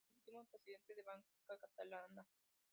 Fue uno de los directivos y último presidente de Banca Catalana.